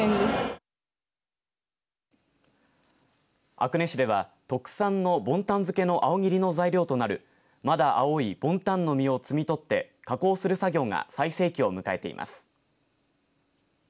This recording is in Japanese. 阿久根市では特産のボンタン漬けの青切の材料となるまだ青いボンタンの実を摘み取って加工する作業が最盛期を迎えています。